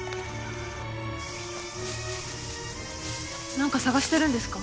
なんか探してるんですか？